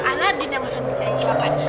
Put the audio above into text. aladin yang mau kelapa